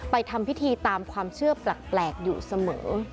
ทำพิธีตามความเชื่อแปลกอยู่เสมอ